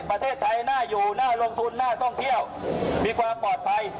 ประเทศไทยน่าอยู่น่าลงทุนน่าท่องเที่ยวมีความปลอดภัย